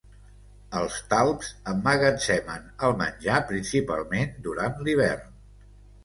Els talps emmagatzemen el menjar, principalment durant l'hivern.